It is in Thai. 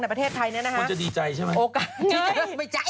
ในประเทศไทยเนี่ยนะฮะโอกาสเลย